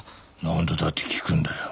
何度だって聞くんだよ。